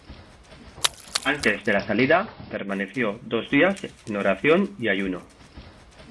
Antes de la salida permaneció dos días en oración y ayuno.